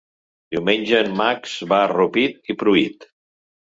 Diumenge en Max va a Rupit i Pruit.